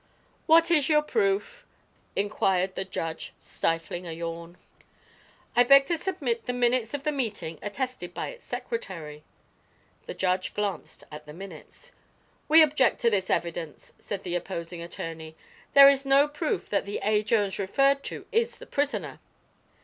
"What is your proof?" inquired the judge, stifling a yawn. "I beg to submit the minutes of the meeting, attested by its secretary." The judge glanced at the minutes. "We object to this evidence," said the opposing attorney. "There is no proof that the A. Jones referred to is the prisoner."